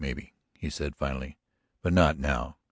. mebbe," he said finally. "But not now.